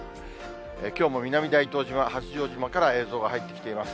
きょうも南大東島、八丈島から映像が入ってきています。